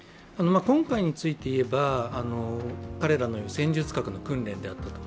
今回について言えば、彼らの戦術核の訓練であったと。